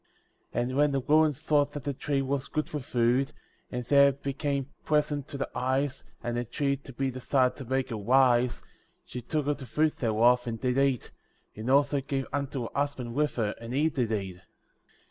*' 12. And when the woman saw that the tree was good for food, and that it became pleasant to the eyes, and a tree to be desired to make her wise, she took of the fruit thereof, and did eat, and also gave unto her husband with her, and he did eat.